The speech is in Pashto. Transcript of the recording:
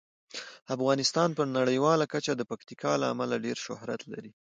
افغانستان په نړیواله کچه د پکتیکا له امله ډیر شهرت لري.